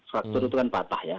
faktor itu kan patah ya